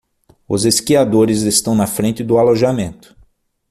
Os esquiadores estão na frente do alojamento.